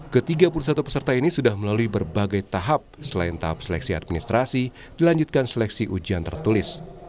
ketiga puluh satu peserta ini sudah melalui berbagai tahap selain tahap seleksi administrasi dilanjutkan seleksi ujian tertulis